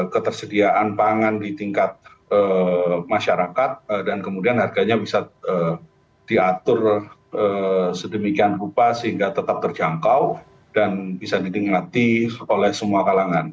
ketersediaan pangan di tingkat masyarakat dan kemudian harganya bisa diatur sedemikian rupa sehingga tetap terjangkau dan bisa dinikmati oleh semua kalangan